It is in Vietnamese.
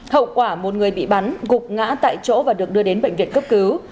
hậu quả một người bị bắn gục ngã tại chỗ và được đưa đến bệnh viện cấp cứu